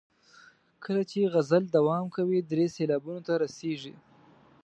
کله چې غزل دوام کوي درې سېلابونو ته رسیږي.